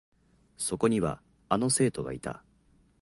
そこには、あの生徒がいた。